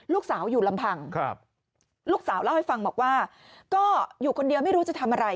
ลูกสาวอยู่ลำพังลูกสาวเล่าให้ฟังบอกว่าก็อยู่คนเดียวไม่รู้จะทำอะไร